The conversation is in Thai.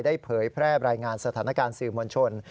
เผยแพร่รายงานสถานการณ์สื่อมวลชน